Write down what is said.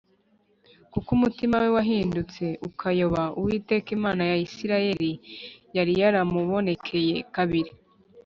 kuko umutima we wahindutse ukayoba Uwiteka Imana ya Isirayeli yari yaramubonekeye kabiri